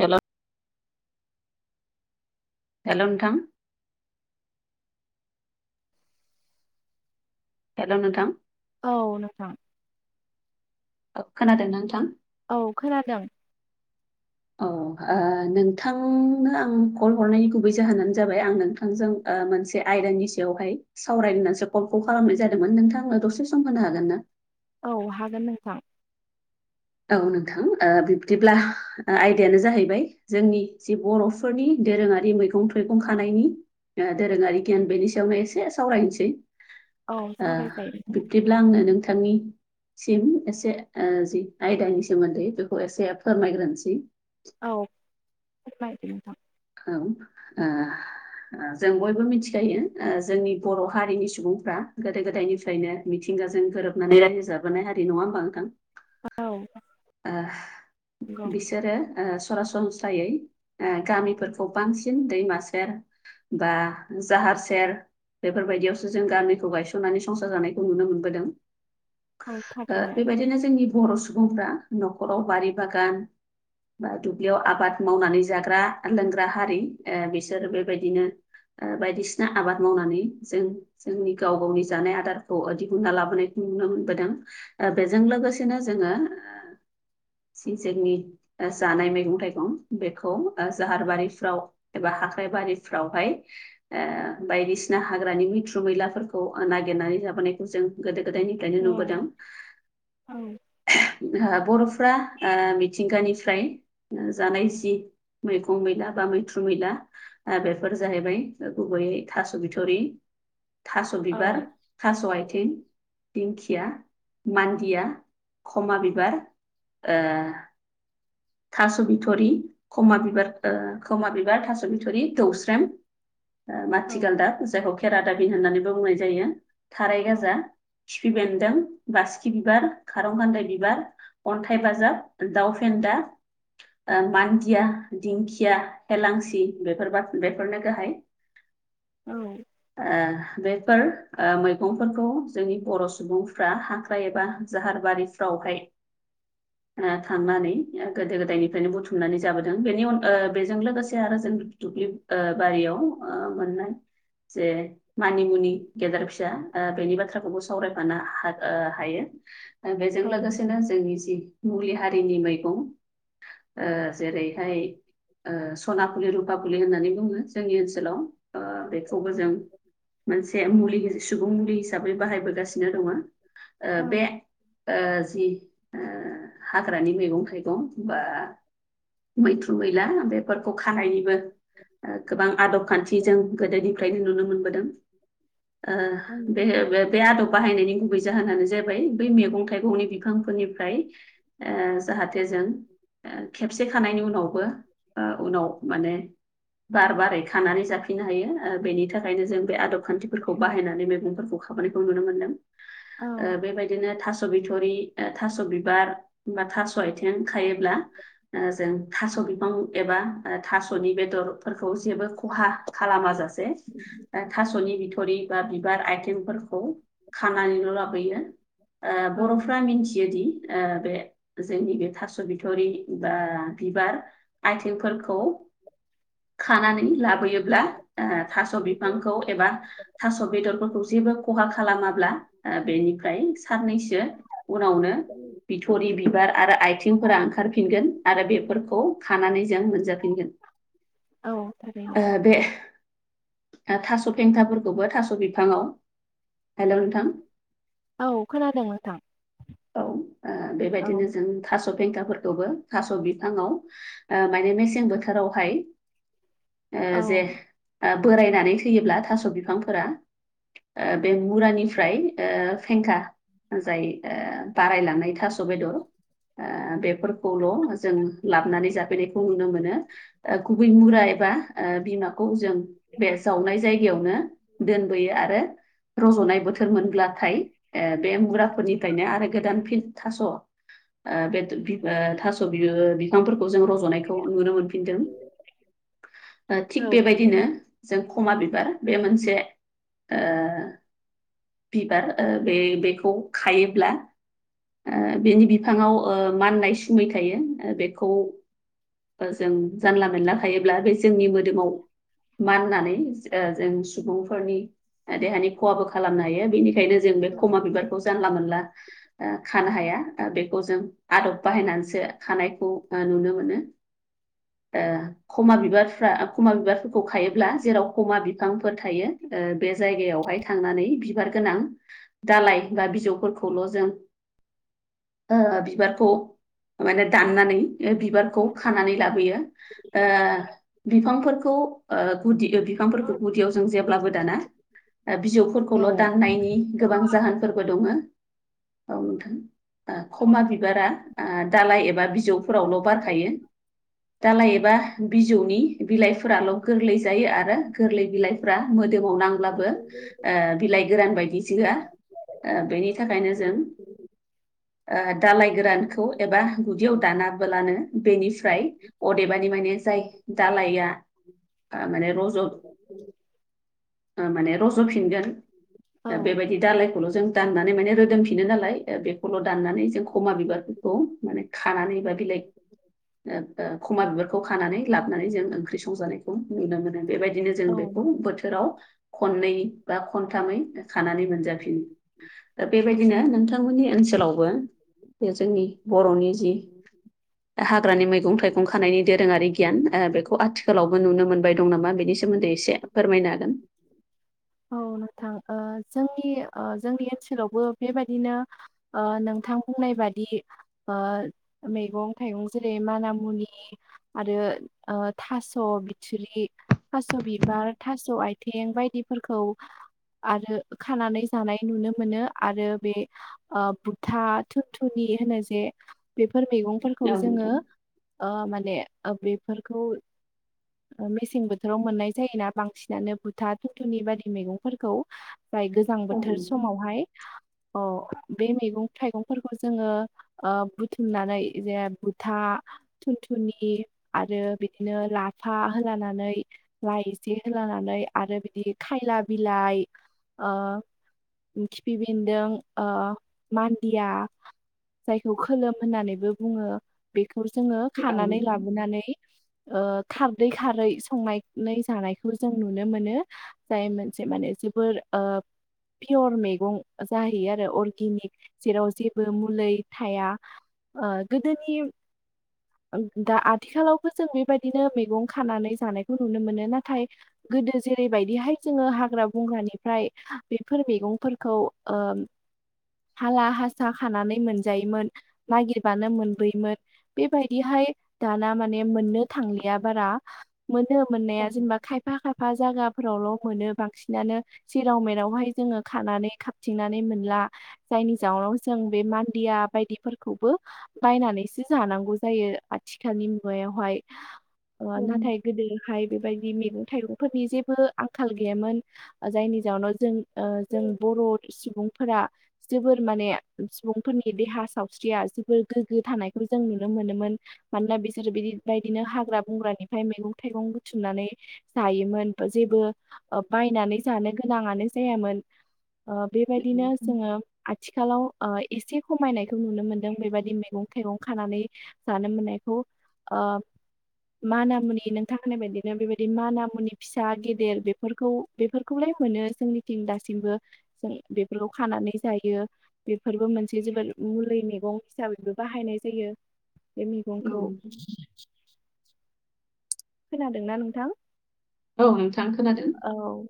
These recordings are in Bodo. हेल' हेल नोंथां। हेल' नोंथां। औ नोंथां। खोनादों ना नोंथां। औ खोनादों। [inaudible] औ ओ नोंथांनो आं कल हरनायनि गुबै जाहोनानो जाबाय आं नोंथांजों ओ मोनसे आइदानि सायावहाय सावरायनो होननानैसो कलखौ खालामनाय जादोंमोन नोंथां आनो दसे सम होनो हागोन ना? औ हागोन नोंथां। औ नोंथां ओ बिब्दिब्ला आयदायानो जाहैबाय जोंनि जि बर'फोरनि दोरोङारि मैगं थाइगं खानायनि दोरोङारि गियान बेनि सायावनो एसे सावरायनोसै औ ओ सावरायजायो नोंथां बिब्दिब्ला आंनो नोंथांनिसिम एसे जि आयदानि सोमोन्दै बेखौ एसे फोरमायग्रोनोसै औ बायदि नोंथां। औ आ जों बयबो मिथिखायो ओ जोंनि बर' हारिनि सुबुंफ्रा गोदो गोदायनिफ्रायनो मिथिंगाजों गोरोबनानै रायजो जाबोनाय हारि नङा होमबा नोंथां औ नंगौ बिसोरो सरासनस्रा यै गामिफोरखौ बांसिन दैमासेेर बा जाहार सेर बेफोरबायदियावसो जों गामिखौ गायसननानै संसार जानायखौ नुनो मोनबोदों औ थारैनो बेबायदिनो जोंनि बर' सुबुंफ्रा न'खराव बारि बागान बा दुब्लियाव आबाद मावनानै जाग्रा लोंग्रा हारि बिसोरो बेबायदिनो बायदिसिना आबाद मावनानै जों जोंनि गाव गावनि जानाय आदारखौ दिहुनना लाबोनायखौ नुनो मोनबोदों बेजों लोगोसेनो जोङो सिंसेरनि जानाय मैगं थाइगं बेखौ जाहार बारिफ्राव एबा हाख्राइबारिफ्रावहाय ओ बायदिसिना हाग्रानि मैथ्रु मैलाफोरखौ नागिरनानै जाबोनायखौ जों गोदो गोदायनि दानि औ नुबोदों औ बर'फ्रा ओ मिथिंगानिफ्राय जानाय जि मैगं मैला बा मैथ्रु मैला बेफोर जाहैबाय गुबैयै थास' बिथ'रि थास' औ बिबार थास' आथिं दिंखिया मान्दिया खमा बिबार थास' बिथरि खमा बि खमा बिबार थास' बिथरि दौस्रम औ माथिगालदाब जाय हक केेरादाबिन होननानैबो बुंनाय जायो थाराय औ गाजा खिफि बेन्दों बाासखि बिबार खारं गान्दाय बिबार अन्थाइ बाजाब दाउ फेन्दा मान्दिया दिंखिया हेलांसि बेफोर बेफोरनो गाहाय औ बेफोर मैगंफोरखौ जोंनि बर' सुबुंफ्रा हाग्रा एबा जाहारबारिफ्रावहाय थांनानै गोदो गोदायनिफ्रायनो बुथुमनानै जाबोदों बेनि अन ओ बेजों लोगोसे आरो जों दुब्लि ओ बारियाव मोननाय जे मानिमुनि गेदेर फिसा बेनि बाथ्राखौबो सावरायफानो हागोन ओ हायो बेजों औ लोगोसेनो जोंनि जि मुलि हारिनि मैगं जेरै [unintelligible] सनाफुलि रुपाफुलि होननानै बुङो जोंनि ओनसोलाव ओ बेखौबो जों मोनसे मुलि सुबुं मुलि हिसाबै बाहायबोगासिनो दङ ओ बे ओ ओ हाग्रानि मैगं थाइगं बा मैथ्रु मैला बेफोरखौ खानायनिबो गोबां आदब खान्थि जों गोदोनिफ्रायनो नुनो मोनबोदों ओ बे बे बे आदब बाहायनायनि गुबै जाहोनानो जाहैबाय बै मैगं थाइगंनि बिफांफोरनिफ्राय जाहाथे जों खेबसे थानायनि उनावबो उनाव माने बार बारै खानानै जाफिननो हायो बेनि थाखायनो जों बे आदब खान्थिफोरखौ बाहायनानै मैगंफोरखौ खामानिखौ नुनो मोनदों ओ औ बेबायदिनो थास' थास' बिथरि थास' बिबार बा थास' आथिं खायोब्ला जों थास' बिफां एबा थास'नि बेदरफोरखौ जेबो खहा खालामाजासे थास'नि बिथ'रि बा बिबार आइटेमफोरखौ खानानैल' लाबोयो ओ औ बर'फ्रा मिथियोदि बे जोंनि बे थास' बिथरि ओ बिबार आइथिंफोरखौ खानानै लाबोयोब्ला थास' बिफांखौ एबा थास' बेदरफोरखौ जेबो खहा खालामाब्ला बेनिफ्राय साननैसो उनावनो बिथरि बिबार आरो आथिंफोरा ओंखारफि फिनगोन आरो बेफोरखौ खानानै जों मोनजाफिनगोन। औ थारैनो ओ बे थास' फेंखाफोरखौबो थास' बिफाङाव। हेल' नोंथां औ खोनादों नोंथां [inaudible] औ औ बेबायदिनो जों थास' बेेंखाफोरखौबो थास' बिफाङाव माने मेसें बोथोरावहाय ओ औ जे बोरायनानै थैयोब्ला थास' बिफांफोरा। बे मुरानिफ्राय ओ फेंखा जाय बारायलांनाय थास' बेदर आ बेफोर खौल' जों लाबोनानै जाफैनायखौ नुनो मोनो। गुबै मुरा एबा बिमाखौ जों बे जावनाय जायगायावनो दोनबोयो आरो रज'नाय बोथोर मोनब्लाथाय ए बे मुराफोरनिफ्रायनो आरो गोदान फिन थास' आ बे थफिग ओ थास' बिफांफोरखौ जों रज'नायखौ नुनो मोनफिनदों। थिग औ बेबायदिनो थारैनो जों खमा बिबार बे मोनसे ओ बिबार बे बेखौ खायोब्ला बिनि बिफाङाव ओ माननाय सिुमै थायो बेखौ जों जानला मोनला खायोब्ला बे जोंनि मोदोमाव मान होननानै ओ जों सुबुंफोरनि देहानि खहाबो खालामनो हायो। बेनिखायनो जों बे खमा बिबारखौ जानला मोनला खानो हाया। बेखौ जों आदब बाहायनानैसो खानायखौ नुनो मोनो ओ खमा बिबारफ्रा खमा बिबारफोरखौ खायोब्ला जेराव खमा बिफांफोर थायो। ओ बे जायगायावहाय थांनानै बिबार गोनां दालाय बा बिजौफोरखौल' जों ओ बिबारखौ माने दाननानै बिबारखौ खानानै लाबोयो। ओ बिफांफोरखौ ओ गुदि बिफांफोरखौ गुदियाव जों जेब्लाबो दाना। बिजौफोरखौल' औ दाननायनि गोबां जाहोन फोरबो दङो औ नोंथां खमा बिबारा ओ दालाय एबा बिजौफोरावल' बारखायो। दालइ एबा बिजौनि बिलाइफोराल' गोरलै जायो आरो गोरलै बिलाइफ्रा मोदोमाव नांब्लाबो बिलाइ गोरान बायदि जोआ बेनि थाखायनो जों आ दालाय गोरानखौ एबा गुदियाव दानाबोलानो बेनिफ्राय अदेबानि मानि जाय दालया माने रज माने रज'फिनगोन औ बेबायदि [unintelligible] खौ माने खानानै बा बिलाइ खमा बिबारखौ खानानै लाबोनानै जों ओंख्रि संजानायखौ नुनो मोनो। बेबायदिनो जों बे औ बोथोराव खननै बा खनथामै खानानै मोनजाफिनो। दा बेबायदिनो नोंथांमोननि ओनसोलावबो बे जोंनि बर'नि जि हाग्रानि मैगं थाइगं खानायनि दोरोङारि गियान बेखौ आथिखालावबो नुनो मोनबाय दं नामा? बेनि सोमोन्दै एसे फोरमायनो हागोन? औ नोंथां ओ जोंनि ओ जोंनि ओनसोलावबो बेबायदिनो ओ नोंथां बुंनाय बादि ओ मैगं थाइगं जेरै मानामुनि आरो ओ थास' बिथुरि। थास' बिबार, थास' आइथिं बायदिफोरखौ आरो खानानै जानाय नुनो मोनो आरो बे ओ बुथा थुनथुनि होनो जे बेफोर मैगंफोरखौ जोङो हागोन। ओ माने बेफोरखौ ओ मेसें बोथोराव मोननाय जायोना बांसिनानो बुथा थुनथुनि बायदि मैगंफोरखौ। ओमफ्राय गोजां औ बोथोर नोंथां समावहाय अह बे मैगं थाइगंफोरखौ जोङो ओ बुथुमनानै जे बुथा थुनथुनि आरो बिदिनो लाफा होलानानै लाइ एसे होलानै आरो बिदि खायला बिलाइ ओ खिफि बेन्दों ओ मान्दिया जायखौ खोलोम होननानैबो बुङो, बेखौ जोङो खानानै लाबोनानै ओ खारदै खारै संनानै जानायखौ जों नुनो मोनो। जाय मोनसे माने जोबोर ओ पियर मैगं जाहैयो आरो अरगेनिक जेराव जेबो मुलै थाया। ओ गोदोनि ओ दा आथिखालावबो जों बेबायदिनो मैगं खानानै जानायखौ नुनो मोनो नाथाय गोदो जे बेबायदिहाय जोङो हाग्रा बंग्रानिफ्राय बेफोर मैगंफोरखौ ओ हाला हासा खानानै मोनजायोमोन, नागिरबानो मोनबोयोमोन। बेबायदिहाय दाना माने मोननो थांलिया बारा। मोनो औ मोननाया जेनेबा खायफा खायफा जागाफोरावल' मोनो बांसिनानो जेराव मेरावहाय जोङो खानानै खाबथिंनानै मोनला। जायनि जाउनाव जों बे मान्दिया बायदिफोरखौबो बायनानैसो जानांगौ जायो आथिखालनि मुगायावहाय। ओ नाथाय गोदोहाय बेबायदि मैगं थाइगंफोरनि जेबो आंखाल गैयामोन। जायनि जाउनाव जों ओ जों बर' सुबुंफोरा जोबोर माने सुबुंफोरनि देहा सावस्रिया जोबोर गोग्गो थानायखौ जों नुनो मोनोमोन। मानोना बिसोरो बिबादिनो हाग्रा बंग्रानिफ्राय मैगं थाइगं बुथुमनानै जायोमोन जेबो बायनानै जानो गोनाङानो जायामोन। ओ बेबायदिनो नोंथां जोङो आथिखालाव ओ एसे खमायनायखौ नुनो मोनदों बेबायदि मैगं थाइगं खानानै जानो मोननायखौ। ओ मानामुनि नोंथां होननाय बायदिनो बेबायदि मानामुनि फिसा गेदेर बेफोरखौ बेफोरखौलाय मोनो जोंनिथिं दासिमबो जों बेफोरखौ खानानै दायो बेफोरबो मोनसे जोबोद मुलै मैगं हिसाबैबो बाहायनाय जायो। बे औ मैगंखौ नोंथां खोनादोंना नोंथां? औ नोंथां खोनादों। औ।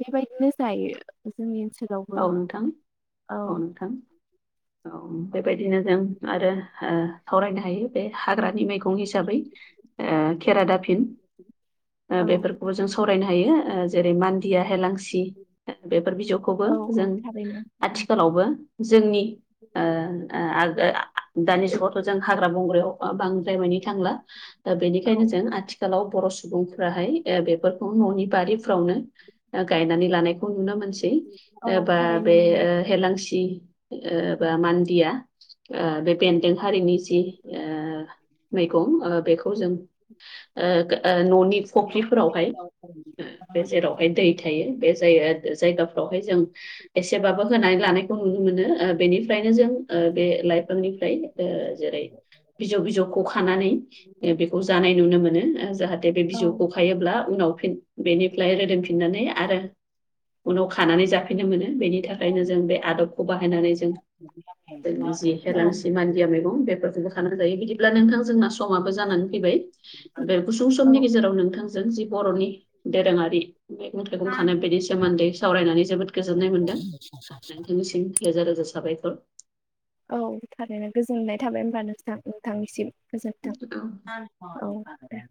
बेबायदिनो जायो जोंनि ओनसोल औ नोंथां, औ नोंथां। औ बेबायदिनो जों आरो सावरायनो हायो बे हाग्रानि मैगं हिसाबै केेरादाफिनि औ बेफोरखौबो जों सावरायनो हायो जेरै मान्दिया, हेलांसि बेफोर बिजौखौबो औ औ जों थारैनो आथिखालावबो जोंनि ओ ओ दानि जुगाव थ' जों हाग्रा बंग्रायाव बांद्रायमानि थांला। दा औ बेनिखायनो जों आथिखालाव बर' सुबुंफ्राहाय बेफोरखौ न'नि बारिफ्रावनो गायनानै लानायखौ नुनो मोनसै औ बा थारैनो बे एलांसि ओ बा मान्दिया ओ बे बेन्दों हारिनि जि ओ मैगं ओ बेखौ जों ओ ओ न'नि फख्रिफोरावहाय बे जेरावहाय दै थायो बे जाय जायगाफ्रावहाय जों एसेबाबो होनानै लानायखौ नुनो मोनो बेनिफ्रायनो जों बे लाइफांनिफ्राय जेरै बिजौ बिजौखौ खानानै बेखौ जानाय नुनो मोनो जाहाथे बे औ बिजौखौ खायोब्ला उनाव फिन बेनिफ्राय रोदोमफिननानै आरो उनाव खानानै जा फाननो मोनो बेनि थाखायनो जों बे आदबखौ बाहायनानै जों जि औ एलांसि मानदिया मैगं बेफोरखो खानानै जायो। बिदिब्ला नोंथां जोंना समाबो जानानै फैबाय बे गुसुं औ समनि गेजेराव नोंथांजों जों जि बर'नि दोरोङारि मैगं थाइगं खानाय बेनि सोमोन्दै सावरायनानै जोबोद गोजोननाय मोनदों। नोंथांनिसिम रोजा रोजा साबायखर। औ थारैनो गोजोननाय थाबाय होमबा नोंथां, नोंथांनिसिम गोजोन्थों। औ औ दे।